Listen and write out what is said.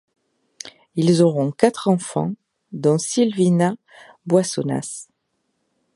Il auront quatre enfants, dont Sylvina Boissonnas.